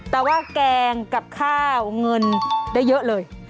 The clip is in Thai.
แต่ว่าแกงกับข้าวเงินได้เยอะเลย